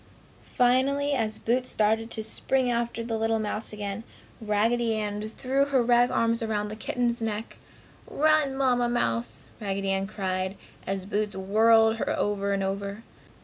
Finally as Boots started to spring after the little mouse again, Raggedy Ann threw her rag arms around the kitten's neck. "Run, Mamma mouse!" Raggedy Ann cried, as Boots whirled her over and over.